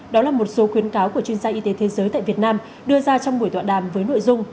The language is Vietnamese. đó là một số khuyến cáo của chuyên gia y tế thế giới tại việt nam đưa ra trong buổi tọa đàm với nội dung